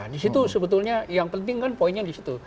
di situ sebetulnya yang penting kan poinnya di situ